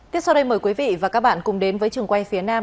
tiếp sau đây mời quý vị và các bạn cùng đến với trường quay phía nam